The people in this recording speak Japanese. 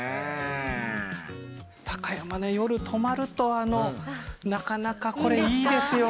高山ね夜泊まるとあのなかなかこれいいですよ。